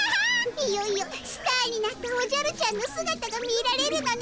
いよいよスターになったおじゃるちゃんのすがたが見られるのね。